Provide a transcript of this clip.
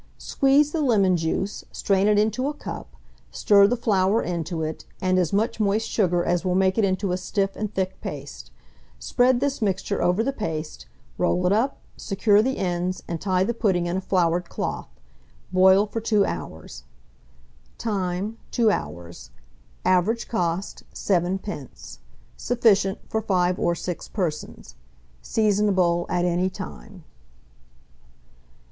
Squeeze the lemon juice, strain it into a cup, stir the flour into it, and as much moist sugar as will make it into a stiff and thick paste; spread this mixture over the paste, roll it up, secure the ends, and tie the pudding in a floured cloth. Boil for 2 hours. Time. 2 hours. Average cost, 7d. Sufficient for 5 or 6 persons. Seasonable at any time.